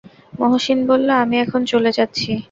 মহসিন বলল, আমি এখন চলে যাচ্ছি।